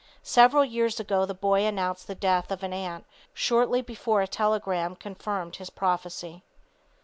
Several years ago the boy announced the death of an aunt shortly before a telegram confirmed his prophesy.